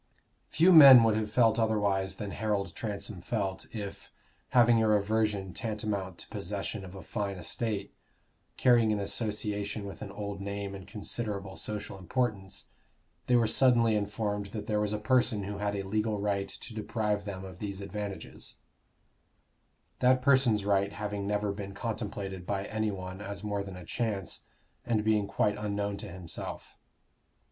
Few men would have felt otherwise than Harold Transome felt, if, having a reversion tantamount to possession of a fine estate, carrying an association with an old name and considerable social importance, they were suddenly informed that there was a person who had a legal right to deprive them of these advantages; that person's right having never been contemplated by any one as more than a chance, and being quite unknown to himself.